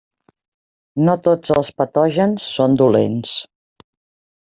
No tots els patògens són dolents.